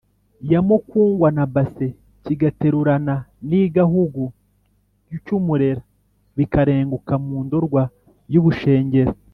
ya mukungwa na base, kigaterurana n’igahugu cy’umurera, bikarenguka mu ndorwa y’ubushengero,